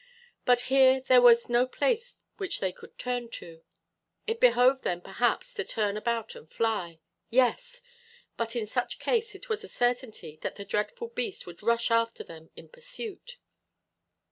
But here there was no place which they could turn to. It behoved them perhaps to turn about and fly. Yes! But in such case it was a certainty that the dreadful beast would rush after them in pursuit.